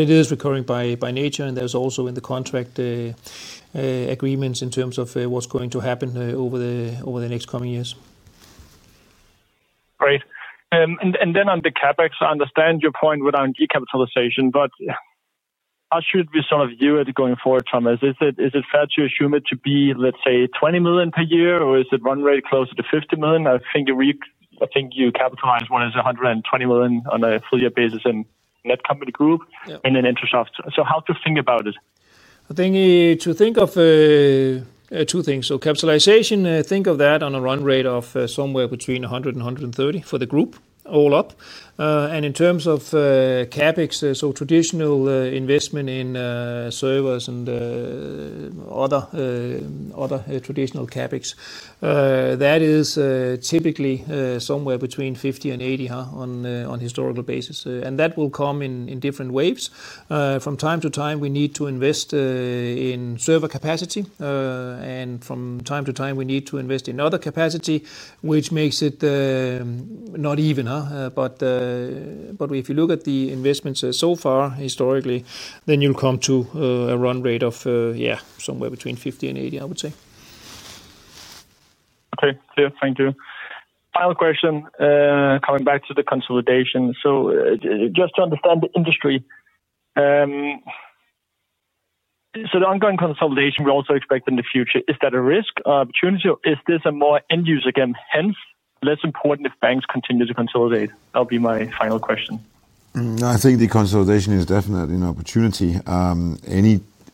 It is recurring by nature, and there's also in the contract agreements in terms of what's going to happen over the next coming years. Great. On the CapEx, I understand your point without decapitalization, but how should we sort of view it going forward? Thomas, is it fair to assume it to be, let's say, 20 million per year, or is the run rate closer to 50 million? I think you capitalize one as 120 million on a full-year basis in Netcompany Group and then Introsoft. How to think about it? I think to think of two things. Capitalization, think of that on a run rate of somewhere between 100 million and 130 million for the group, all up. In terms of CapEx, traditional investment in servers and other traditional CapEx, that is typically somewhere between 50 million and 80 million on a historical basis, and that will come in different waves. From time to time, we need to invest in server capacity, and from time to time, we need to invest in other capacity, which makes it not even. If you look at the investments so far historically, then you'll come to a run rate of somewhere between 50 million and 80 million, I would say. Okay, thank you. Final question, coming back to the consolidation. Just to understand the industry. So the ongoing consolidation we also expect in the future, is that a risk opportunity, or is this a more end user game, hence less important if banks continue to consolidate? That'll be my final question. I think the consolidation is definitely an opportunity.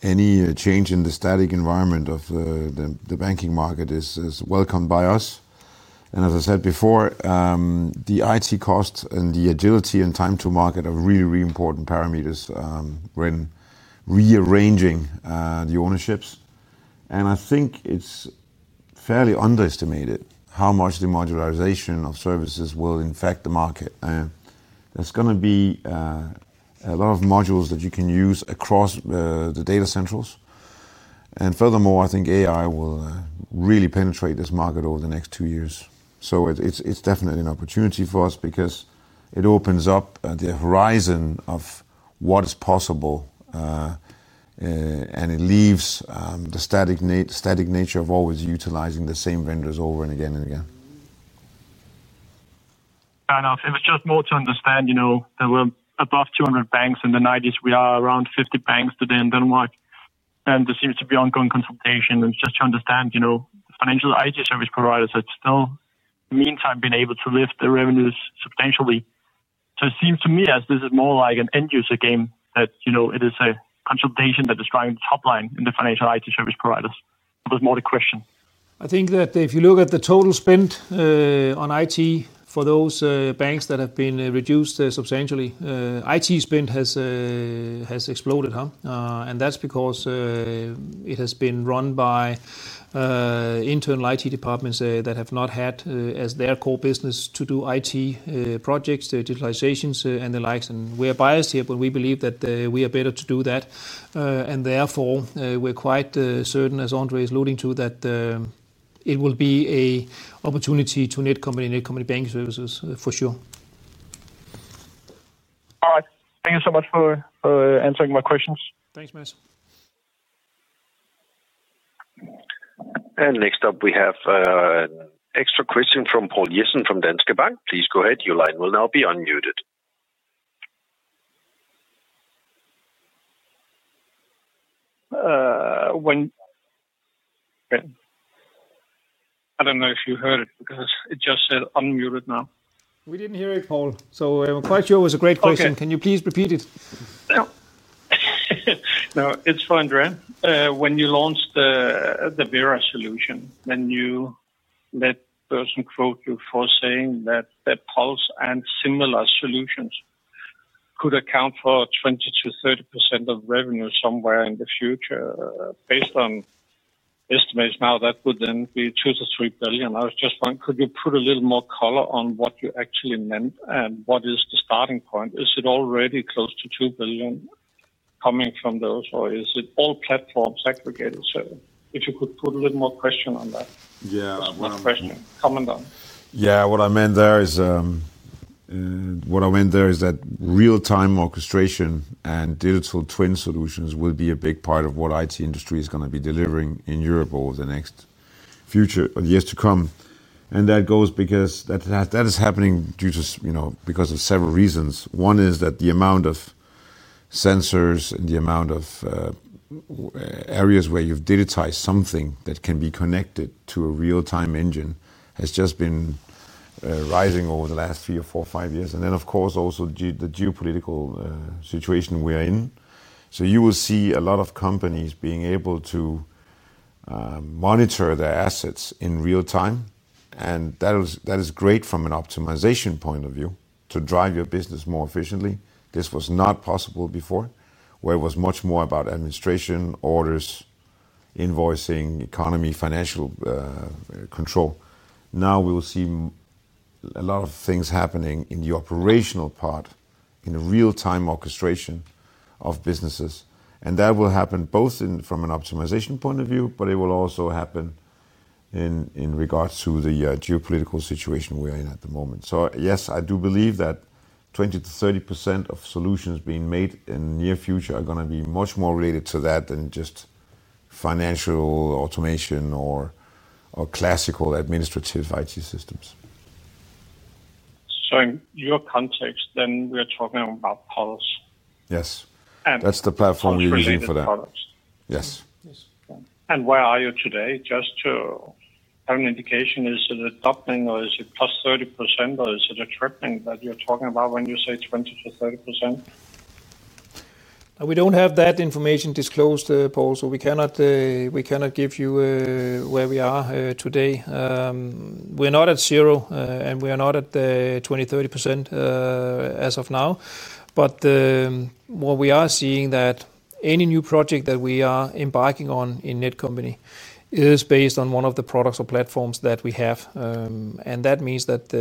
Any change in the static environment of the banking market is welcomed by us. As I said before, the IT cost and the agility and time to market are really, really important parameters when rearranging the ownerships. I think it's fairly underestimated how much demodularization of services will affect the market. There are going to be a lot of modules that you can use across the data centrals. Furthermore, I think AI will really penetrate this market over the next two years. It's definitely an opportunity for us because it opens up the horizon of what is possible and it leaves the static nature of always utilizing the same vendors again and again. It was just more to understand, you know. There were above 200 banks in the 1990s, we are around 50 banks today in Denmark, and there seems to be ongoing consolidation. Just to understand, you know, financial IT service providers have still meantime been able to lift the revenues substantially. It seems to me, as this is more like an end user game, that it is a consolidation that is driving the top line in the financial IT service providers. It was more the question. I think that if you look at the total spend on IT for those banks that have been reduced substantially, IT spend has exploded, and that's because it has been run by internal IT departments that have not had as their core business to do IT projects, digitalizations, and the likes. We are biased here, but we believe that we are better to do that, and therefore we're quite certain, as André is alluding to, that it will be an opportunity to Netcompany, Netcompany Banking Services for sure. All right, thank you so much for answering my questions. Thanks Mads. Next up we have an extra question from Paul Herbison from Danske Bank. Please go ahead. Your line will now be unmuted. I don't know if you heard it because it just said unmuted now. We didn't hear it, Paul. Quite sure it was a great question. Can you please repeat it? No, it's fine. When you launched the VERA solution, then you let a person quote you for saying that the PULSE and similar solutions could account for 20%-30% of revenue somewhere in the future. Based on estimates now, that would then be 2 billion-3 billion. I was just wondering, could you put a little more color on what you actually meant? What is the starting point? Is it already close to 2 billion coming from those or is it all platforms aggregated? If you could put a little more question on that, yeah, comment on. What I meant there is that real time orchestration and digital twin solutions will be a big part of what the IT industry is going to be delivering in Europe over the next years to come. That is happening because of several reasons. One is that the amount of sensors and the amount of areas where you've digitized something that can be connected to a real time engine has just been rising over the last three, four, or five years. Also, the geopolitical situation we are in. You will see a lot of companies being able to monitor their assets in real time, and that is great from an optimization point of view to drive your business more efficiently. This was not possible before, where it was much more about administration, orders, invoicing, economy, financial control. Now we will see a lot of things happening in the operational part in a real time orchestration of businesses. That will happen both from an optimization point of view, but it will also happen in regards to the geopolitical situation we are in at the moment. Yes, I do believe that 20%-30% of solutions being made in the near future are going to be much more related to that than just financial automation or classical administrative IT systems. In your context then we are talking about PULSE. Yes. That's the platform you're using for that? Yes. Where are you today? Just to have an indication, is it a doubling, or is it +30%, or is it a tripling that you're talking about when you say 20%-30%? We don't have that information disclosed, Paul, so we cannot give you where we are today. We're not at zero and we are not at 20% or 30% as of now. What we are seeing is that any new project that we are embarking on in Netcompany is based on one of the products or platforms that we have. That means that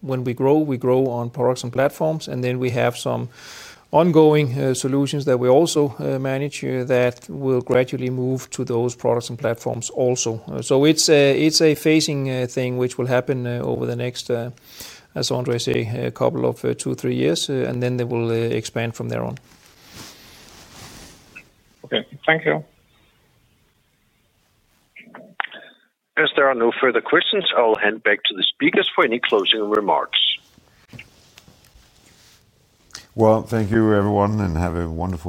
when we grow, we grow on products and platforms, and we have some ongoing solutions that we also manage that will gradually move to those products and platforms also. It's a phasing thing which will happen over the next, as André says, a couple of two, three years, and they will expand from there on. Okay, thank you. As there are no further questions, I will hand back to the speakers for any closing remarks. Thank you, everyone, and have a wonderful day.